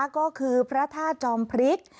ก็คือพระธาตุจอมพริก